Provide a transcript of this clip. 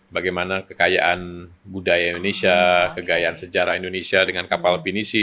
bagaimana kekayaan budaya indonesia kegayaan sejarah indonesia dengan kapal pinisi